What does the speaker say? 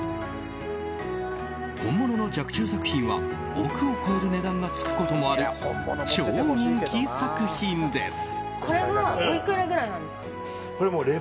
本物の若冲作品は億を超える値段がつくこともある超人気作品です。